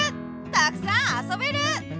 たくさんあそべる！